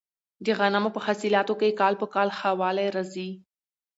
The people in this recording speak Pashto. د غنمو په حاصلاتو کې کال په کال ښه والی راځي.